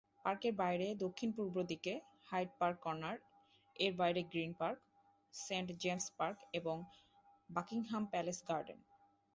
পার্কের বাইরে দক্ষিণ-পূর্ব দিকে হাইড পার্ক কর্নার, এর বাইরে Green Park, Saint James Park এবং বাকিংহাম প্যালেস গার্ডেন।